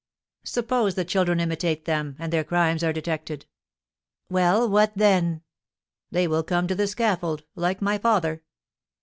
"Suppose the children imitate them, and their crimes are detected?" "Well, what then?" "They will come to the scaffold, like my father."